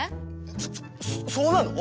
そそっそうなの⁉